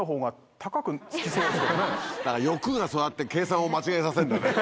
何か欲がそうやって計算を間違えさせるんだね。